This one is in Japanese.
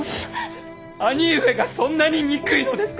兄上がそんなに憎いのですか。